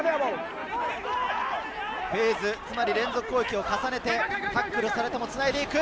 フェーズ、つまり連続攻撃を重ねて、タックルされてもつないでいく。